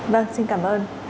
vâng xin cảm ơn